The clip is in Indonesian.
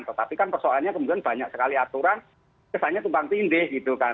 tetapi kan persoalannya kemudian banyak sekali aturan kesannya tumpang tindih gitu kan